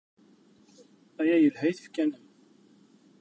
Aya yelha i tfekka-nnem.